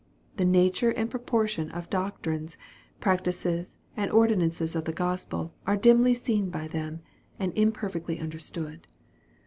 The nature and proportion of doctrines, practices, and ordinances of the Gospel are dimly seen by them, and imperfectly understood.